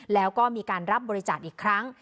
แล้วก็มีการรับบริจาคอีกครั้ง